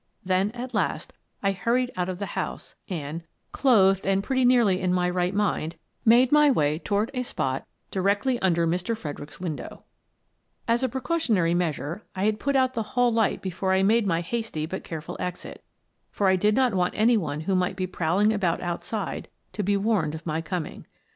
Then, at last, I hurried out of the house and — clothed and pretty nearly in my "N Mr. Fredericks Returns 75 right mind — made my way toward a spot directly under Mr. Fredericks's window. As a precautionary measure, I had put out the hall light before I made my hasty but careful exit, for I did not want any one who might be prowling about outside to be warned of my coming.